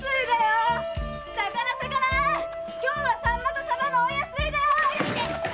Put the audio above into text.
今日はサンマとサバが大安売りだよ！